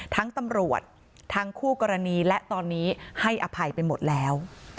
ตำรวจทั้งคู่กรณีและตอนนี้ให้อภัยไปหมดแล้ว